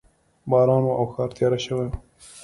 باران و او ښار تیاره شوی و